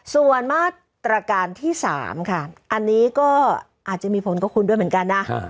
ส่วนมาตรการที่๓ค่ะอันนี้ก็อาจจะมีผลกับคุณด้วยเหมือนกันนะ